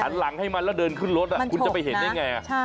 หลังให้มันแล้วเดินขึ้นรถคุณจะไปเห็นได้ไง